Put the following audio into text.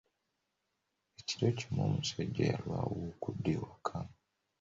Ekiro kimu, omusajja yalwawo okudda ewaka.